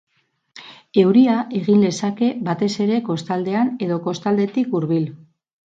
Euria egin lezake, batez ere kostaldean edo kostaldetik hurbil.